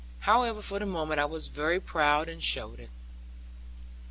However, for the moment, I was very proud and showed it.